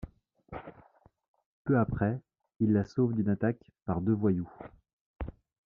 Peu après, il la sauve d'une attaque par deux voyous.